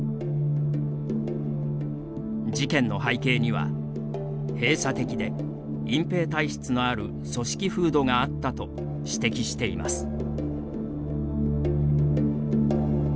事件の背景には、閉鎖的で隠蔽体質のある組織風土があったと指摘しています。